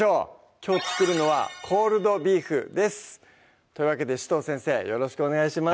きょう作るのは「コールドビーフ」ですというわけで紫藤先生よろしくお願いします